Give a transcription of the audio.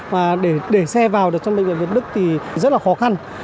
và để xe vào được trong bệnh viện việt đức thì rất là khó khăn